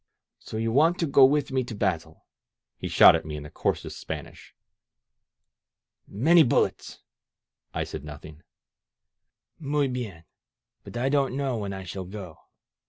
"So you want to go with me to battle?" he shot at me in the coarsest Spanish. Many bullets!" I said nothing. Muy hien! But I don't know when I shall go.